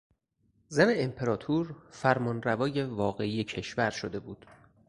زن امپراطور فرمانروای واقعی کشور شده بود.